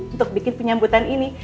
untuk bikin penyambutan ini